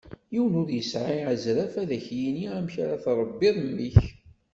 Yiwen ur yesεa azref ad k-d-yini amek ara tṛebbiḍ mmi-k.